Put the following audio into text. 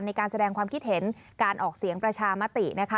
ในการแสดงความคิดเห็นการออกเสียงประชามตินะคะ